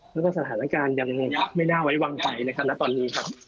แล้วก็สถานการณ์ยังไม่น่าไว้วางใจนะครับณตอนนี้ครับ